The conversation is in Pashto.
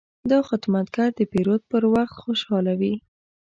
دا خدمتګر د پیرود پر وخت خوشحاله وي.